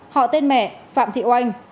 họ tên mẹ phạm thị oanh